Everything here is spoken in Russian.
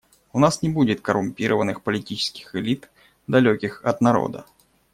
У нас не будет коррумпированных политических элит, далеких от народа.